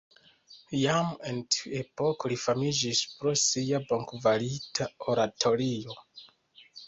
Jam en tiu epoko li famiĝis pro sia bonkvalita oratorio.